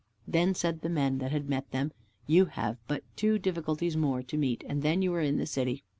Then said the men that met them, "You have but two difficulties more to meet and then you are in the City."